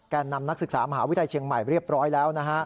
นำนักศึกษามหาวิทยาลัยเชียงใหม่เรียบร้อยแล้วนะฮะ